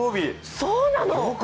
そうなの！